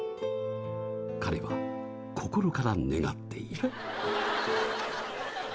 ・彼は心から願っている。